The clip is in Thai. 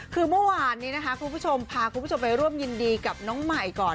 คือเมื่อวานนี้นะคะคุณผู้ชมพาคุณผู้ชมไปร่วมยินดีกับน้องใหม่ก่อน